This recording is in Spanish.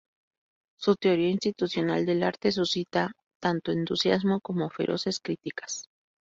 Su "teoría institucional del arte" suscita tanto entusiasmo como feroces críticas.